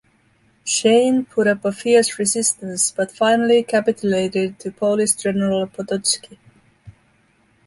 Shein put up a fierce resistance, but finally capitulated to Polish General Potocki.